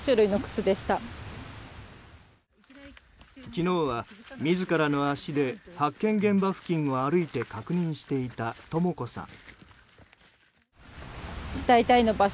昨日は自らの足で発見現場付近を歩いて確認していた、とも子さん。